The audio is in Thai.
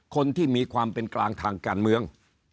คนที่มีความเป็นกลางทางการเมือง